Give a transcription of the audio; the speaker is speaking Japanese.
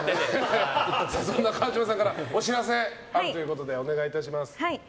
川嶋さんからお知らせがあるということでお願いします。